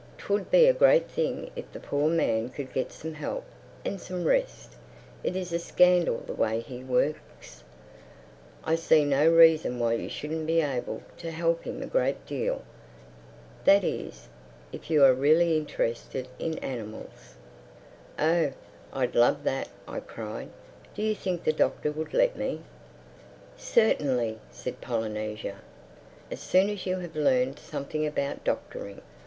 'Twould be a great thing if the poor man could get some help—and some rest. It is a scandal the way he works. I see no reason why you shouldn't be able to help him a great deal—That is, if you are really interested in animals." [Illustration: "'Being a good noticer is terribly important'"] "Oh, I'd love that!" I cried. "Do you think the Doctor would let me?" "Certainly," said Polynesia—"as soon as you have learned something about doctoring.